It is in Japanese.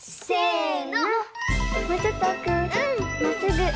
まっすぐ。